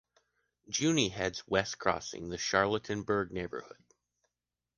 Juni heads West crossing the Charlottenburg neighborhood.